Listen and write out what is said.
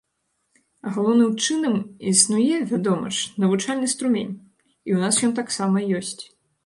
А галоўным чынам, існуе, вядома ж, навучальны струмень і ў нас ён таксама ёсць.